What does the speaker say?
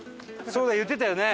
そうだ言ってたよね？